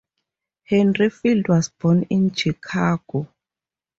Henry Field was born in Chicago.